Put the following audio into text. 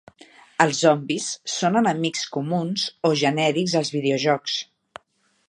Els zombis són enemics comuns o genèrics als videojocs.